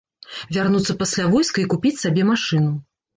Вярнуцца пасля войска і купіць сабе машыну.